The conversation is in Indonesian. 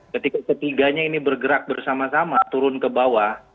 ketika ketiganya ini bergerak bersama sama turun ke bawah